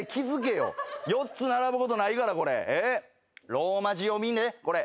ローマ字読みねこれ。